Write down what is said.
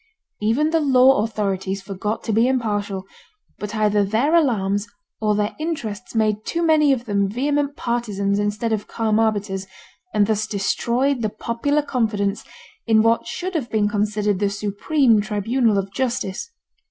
Even the law authorities forgot to be impartial, but either their alarms or their interests made too many of them vehement partisans instead of calm arbiters, and thus destroyed the popular confidence in what should have been considered the supreme tribunal of justice.